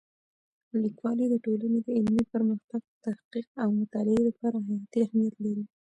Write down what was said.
لیکوالی د ټولنې د علمي پرمختګ، تحقیق او مطالعې لپاره حیاتي اهمیت لري.